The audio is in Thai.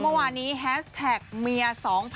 เมื่อวานนี้แฮสแท็กเมีย๒๐